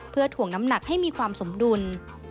เพื่อถ่วงน้ำหนักให้มีความสมดุล